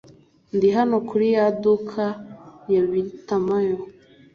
Ndi hano kuri ya duka ya Baritimayo.